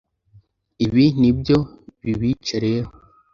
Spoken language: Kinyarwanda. ibi nibyo bibica rero